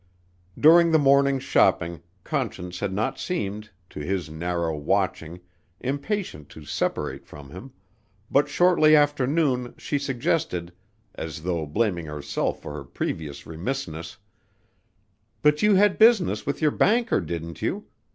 During the morning's shopping Conscience had not seemed, to his narrow watching, impatient to separate from him, but shortly after noon she suggested, as though blaming herself for her previous remissness, "But you had business with your banker, didn't you?